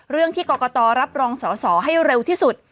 เรื่องที่กรกตรับรองสอสอให้เร็วที่สุด